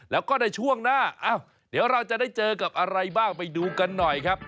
แล้วก็ในช่วงหน้าเดี๋ยวเราจะได้เจอกับอะไรบ้างไปดูกันหน่อยครับ